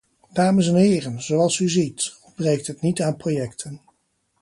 Dames en heren, zoals u ziet, ontbreekt het niet aan projecten.